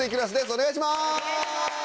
お願いします！